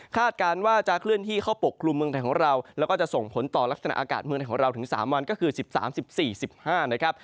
การว่าจะเคลื่อนที่เข้าปกกลุ่มเมืองไทยของเราแล้วก็จะส่งผลต่อลักษณะอากาศเมืองไทยของเราถึง๓วันก็คือ๑๓๑๔๑๕นะครับ